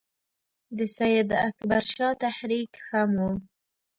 د سید اکبر شاه تحریک هم وو.